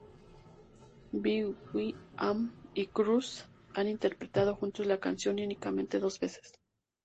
Will.i.am y Cyrus han interpretado juntos la canción únicamente dos veces.